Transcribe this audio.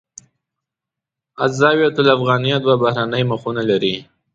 الزاویة الافغانیه دوه بهرنۍ مخونه لري.